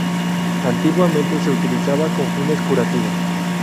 Antiguamente se utilizaba con fines curativos.